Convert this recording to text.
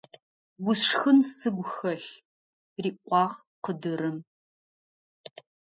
Усшхын сыгу хэлъ! – риӀуагъ къыдырым.